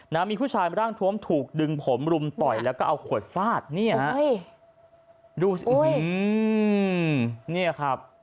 นะมีผู้ชายร่างทวมถูกดึงผมรุมต่อยแล้วก็เอาขวดฟาดเนี่ยฮะดูสิเนี่ยครับ